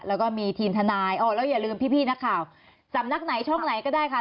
แล้วก็มีทีมทนายอ๋อแล้วอย่าลืมพี่นักข่าวสำนักไหนช่องไหนก็ได้ค่ะ